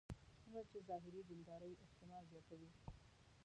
څومره چې ظاهري دیندارۍ اهتمام زیاتوي.